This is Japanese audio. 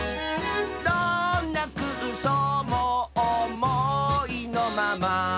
「どんなくうそうもおもいのまま」